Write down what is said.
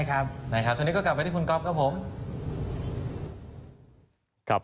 ครับทีนี้ก็กลับไปที่คุณก๊อบครับผม